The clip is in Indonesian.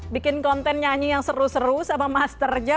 bikin konten nyanyi yang seru seru sama masternya